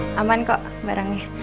oke aman kok barangnya